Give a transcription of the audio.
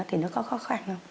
thì nó có khó khăn không